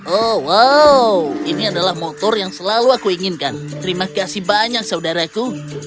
oh wow ini adalah motor yang selalu aku inginkan terima kasih banyak saudaraku